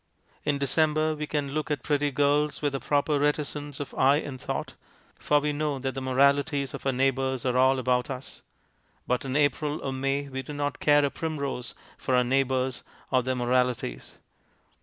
In December we can look at pretty girls with a proper reticence of eye and thought, for we know that the moralities of our neigh bours are all about us ; but in April or May we do not care a primrose for our neighbours or their moralities.